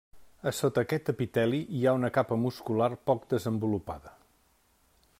A sota aquest epiteli hi ha una capa muscular poc desenvolupada.